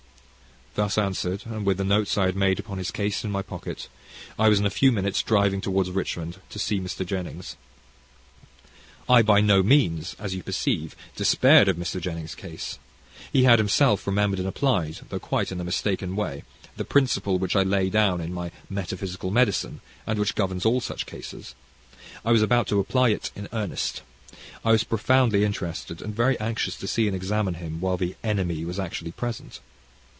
Thus answered, and with the notes I had made upon his case in my pocket, I was in a few minutes driving towards Richmond, to see Mr. Jennings. I by no means, as you perceive, despaired of Mr. Jennings' case. He had himself remembered and applied, though quite in a mistaken way, the principle which I lay down in my Metaphysical Medicine, and which governs all such cases. I was about to apply it in earnest. I was profoundly interested, and very anxious to see and examine him while the "enemy" was actually present.